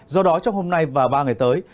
do đó trong hôm nay và ba ngày tới